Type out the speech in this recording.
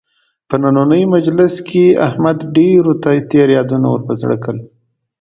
په نننۍ مجلس کې احمد ډېرو ته تېر یادونه ور په زړه کړل.